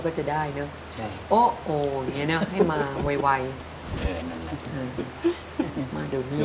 ผู้หญิงซ้ายผู้ชายขวา